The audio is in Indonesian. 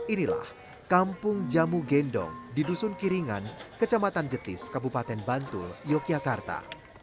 inilah kampung jamu gendong di dusun kiringan kecamatan jetis kabupaten bantul yogyakarta